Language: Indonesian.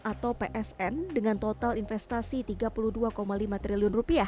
atau psn dengan total investasi rp tiga puluh dua lima triliun